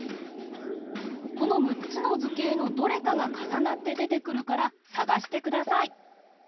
このむっつのずけいのどれかがかさなってでてくるからさがしてください。